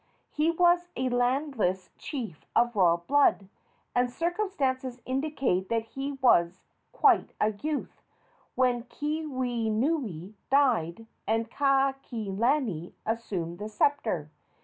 He was a landless chief of royal blood, and circumstances indicate that he was quite a youth when Keawenui died and Kaikilani assumed the sceptre.